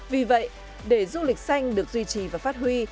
vì vậy để du lịch xanh được duy trì và phát huy